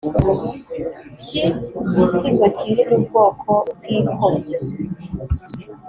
ki gisigo kiri mu bwoko bwi kobyo”